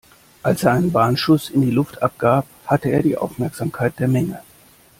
Als er einen Warnschuss in die Luft abgab, hatte er die Aufmerksamkeit der Menge.